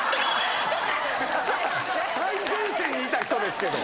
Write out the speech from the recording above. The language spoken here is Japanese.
最前線にいた人ですけど。